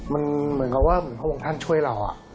มันเหมือนกับว่าเหมือนพระองค์ท่านช่วยเรา